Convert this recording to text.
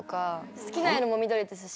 好きな色も緑ですし。